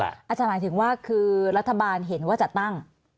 อาจจะหมายถึงว่ารัฐบาลเห็นว่าจะตั้ง